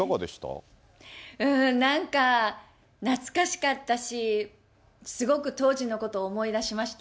うーん、なんか、懐かしかったし、すごく当時のことを思い出しました。